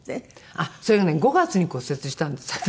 あっそれがね５月に骨折したんです私。